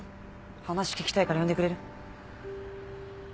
話聞きたいから呼んでくれる？